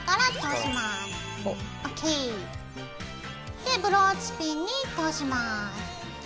ほっ！ＯＫ！でブローチピンに通します。